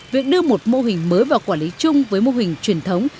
việc đưa một mô hình mới vào quản lý chung với mô hình truyền thống